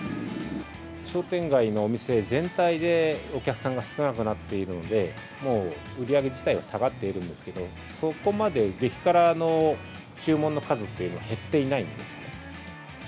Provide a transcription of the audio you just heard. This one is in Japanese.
商店街のお店全体で、お客さんが少なくなっているので、もう売り上げ自体は下がっているんですけど、そこまで激辛の注文の数っていうのは、減っていないんですね。